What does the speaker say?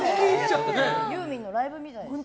ユーミンのライブみたい。